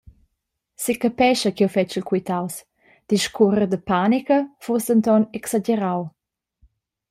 Secapescha ch’jeu fetschel quitaus, discuorer da panica fuss denton exagerau.